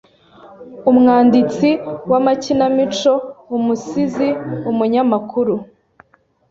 Umwanditsi w'amakinamico umusizi umunyamakuru